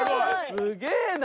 すげえな！